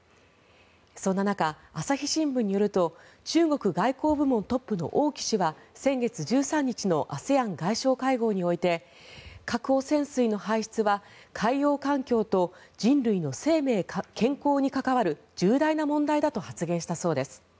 そんな中、朝日新聞によると中国外交部門トップの王毅氏は先月１３日のＡＳＥＡＮ外相会合において核汚染水の排出は海洋環境と人類の生命・健康に関わる重大な問題だと発言したそうです。